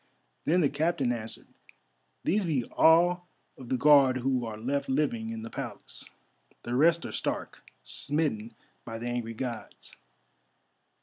Then the Captain answered, "These be all of the Guard who are left living in the Palace. The rest are stark, smitten by the angry Gods."